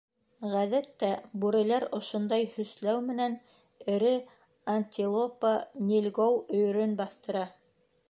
Ғәҙәттә, бүреләр ошондай һөсләү менән эре антилопа — нильгоу — өйөрөн баҫтыра.